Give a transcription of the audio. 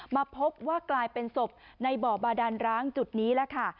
มาพบว่ากลายเป็นศพในบ่อบาดานร้างจุดนี้แล้วค่ะ